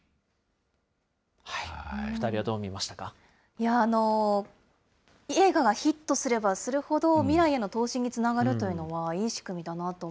いやー、映画がヒットすればするほど未来への投資につながるというのは、確かにね。